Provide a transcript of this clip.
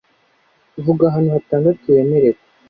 vuga ahantu hatandatu wemerewe